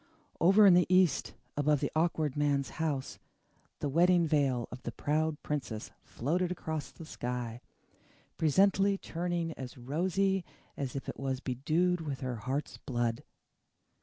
Over in the east, above the Awkward Man's house, the Wedding Veil of the Proud Princess floated across the sky, presently turning as rosy as if bedewed with her heart's blood.